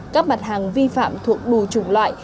các mặt hàng vi phạm thuộc đủ chủng loại